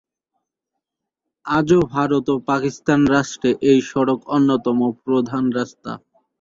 আজও ভারত ও পাকিস্তান রাষ্ট্রে এই সড়ক অন্যতম প্রধান রাস্তা।